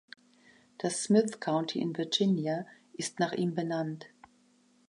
Das Smyth County in Virginia ist nach ihm benannt.